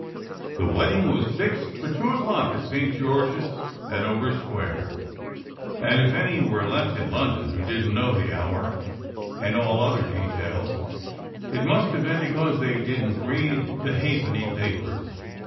The wedding was fixed for two o clock at St. George s, Hanover Square; and if any were left in London who didn t know the hour and all other details, it must have been be cause they didn t read the halfpenny papers.